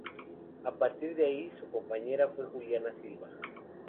A partir de ahí su compañera fue Juliana Silva.